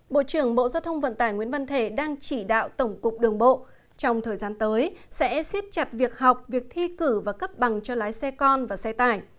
bộ trưởng bộ giao thông vận tải nguyễn văn thể đang chỉ đạo tổng cục đường bộ trong thời gian tới sẽ xiết chặt việc học việc thi cử và cấp bằng cho lái xe con và xe tải